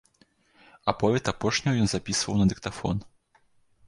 Аповед апошняга ён запісваў на дыктафон.